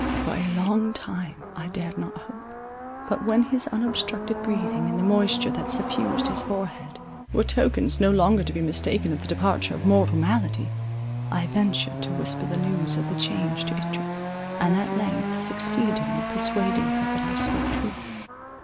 For a long time I dared not hope; but when his unobstructed breathing and the moisture that suffused his forehead, were tokens no longer to be mistaken of the departure of mortal malady, I ventured to whisper the news of the change to Idris, and at length succeeded in persuading her that I spoke truth.